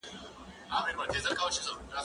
زه اوس مېوې وچوم؟